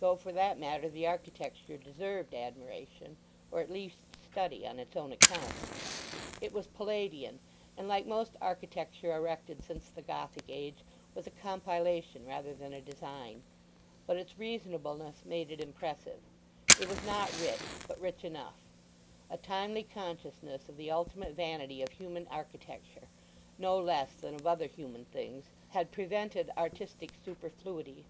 Though for that matter the architecture deserved admiration, or at least study, on its own account. It was Palladian, and like most architecture erected since the Gothic age was a compilation rather than a design. But its reasonableness made it impressive. It was not rich, but rich enough. A timely consciousness of the ultimate vanity of human architecture, no less than of other human things, had prevented artistic superfluity.